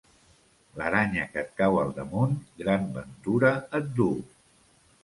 L'aranya que et cau al damunt, gran ventura et duu.